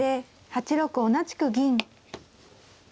８六同じく銀。